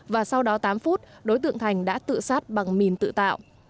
và sau đó tám phút đối tượng thành đã tự sát bằng mìn tự tạo